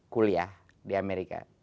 kuliah di amerika